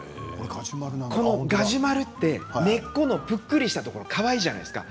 ガジュマルって根っこのぷっくりしたところがかわいいじゃないですか。